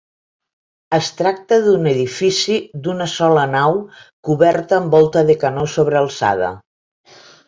Es tracta d'un edifici d'una sola nau coberta amb volta de canó sobrealçada.